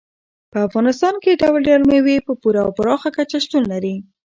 په افغانستان کې ډول ډول مېوې په پوره او پراخه کچه شتون لري.